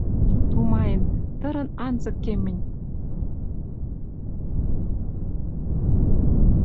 Тумаен: «Тырын анзык кем мӹнь!»